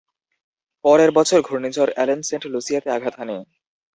পরের বছর ঘূর্ণিঝড় অ্যালেন সেন্ট লুসিয়াতে আঘাত হানে।